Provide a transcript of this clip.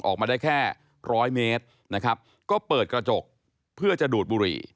ออกมาได้แค่ร้อยเมตรนะครับก็เปิดกระจกเพื่อจะดูดบุหรี่